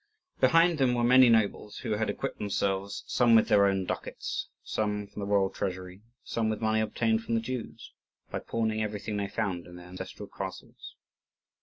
Behind them were many nobles who had equipped themselves, some with their own ducats, some from the royal treasury, some with money obtained from the Jews, by pawning everything they found in their ancestral castles.